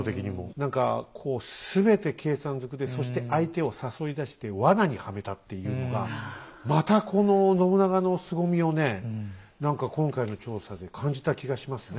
何かこう全て計算ずくでそして相手を誘い出してワナにはめたっていうのがまたこの信長のすごみをね何か今回の調査で感じた気がしますね。